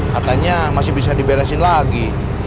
katanya masih bisa diberesin lagi